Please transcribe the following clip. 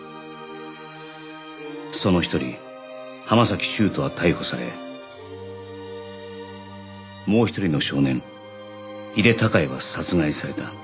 その一人浜崎修斗は逮捕されもう一人の少年井手孝也は殺害された